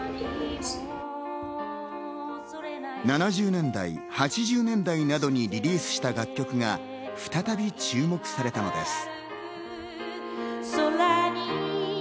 ７０年代、８０年代などにリリースした楽曲が再び注目されたのです。